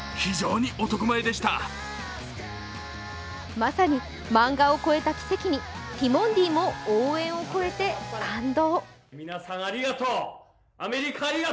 まさに、漫画を超えた奇跡にティモンディも応援を超えて感動。